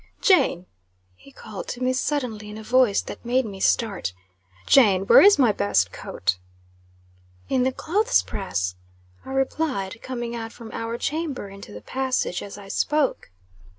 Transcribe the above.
"Jane!" he called to me suddenly, in a voice that made me start. "Jane! Where is my best coat?" "In the clothes press," I replied, coming out from our chamber into the passage, as I spoke.